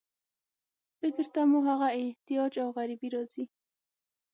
فکر ته مو هغه احتیاج او غریبي راځي.